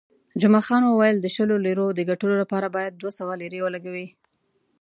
جمعه خان وویل، د شلو لیرو د ګټلو لپاره باید دوه سوه لیرې ولګوې.